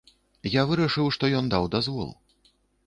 Я вырашыў, што ён даў дазвол.